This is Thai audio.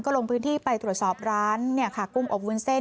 ลงพื้นที่ไปตรวจสอบร้านกุ้งอบวุ้นเส้น